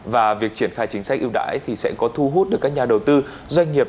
và việc triển khai chính sách ưu đãi thì sẽ có thu hút được các nhà đầu tư doanh nghiệp